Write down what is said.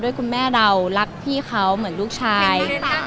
คุณแม่เรารักพี่เขาเหมือนลูกชาย